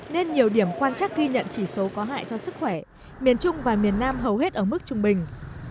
nên nhiều điểm quan trắc ghi nhận chỉ số có hại cho sức khỏe miền trung và miền nam hầu hết ở mức trung bình